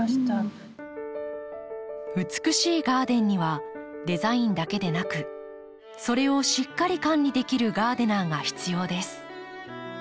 美しいガーデンにはデザインだけでなくそれをしっかり管理できるガーデナーが必要です。